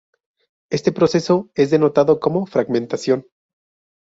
Este proceso es denotado como "fragmentación".